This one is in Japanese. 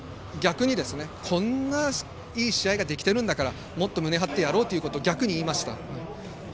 こんないい試合ができているんだからもっと胸を張ってやろうと逆に言いました。